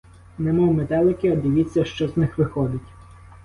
Немов метелики, а дивіться, що з них виходить!